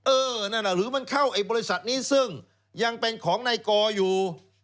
เออหรือมันเข้าบริษัทนี้ซึ่งยังเป็นของในกรอยู่